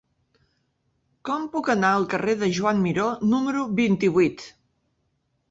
Com puc anar al carrer de Joan Miró número vint-i-vuit?